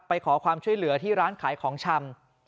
ไปขอความช่วยเหลือที่ร้านขายของชำ